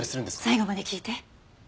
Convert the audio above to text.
最後まで聞いて。